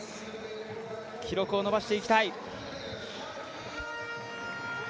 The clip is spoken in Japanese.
記録を伸ばしていきたい。